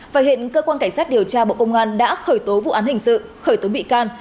và hiện cơ quan cảnh sát điều tra bộ công an đã khởi tố vụ án hình sự khởi tố bị can